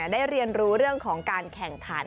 ได้เรียนรู้เรื่องของการแข่งขัน